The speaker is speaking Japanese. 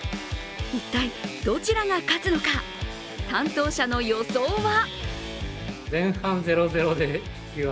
一体、どちらが勝つのか、担当者の予想は？